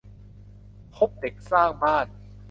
คบเด็กสร้างบ้าน